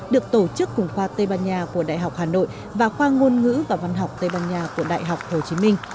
được tổ chức cùng khoa tây ban nha của đại học hà nội và khoa ngôn ngữ và văn học tây ban nha của đại học hồ chí minh